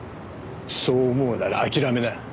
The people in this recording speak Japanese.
そう思うなら諦めな。